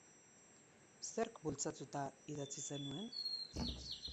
Zerk bultzatuta idatzi zenuen?